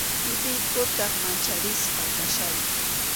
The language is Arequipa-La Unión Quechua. Llipiykutaq mancharisqa kachkayku.